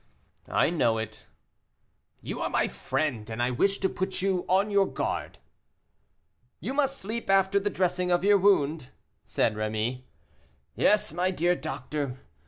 "I know it." "You are my friend, and I wish to put you on your guard." "You must sleep after the dressing of your wound," said Rémy. "Yes, my dear doctor.